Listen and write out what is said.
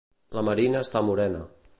La Marina està morena.